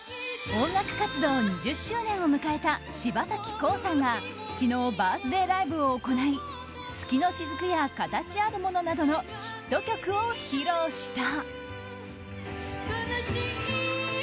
音楽活動２０周年を迎えた柴咲コウさんが昨日、バースデーライブを行い「月のしずく」や「かたちあるもの」などのヒット曲を披露した。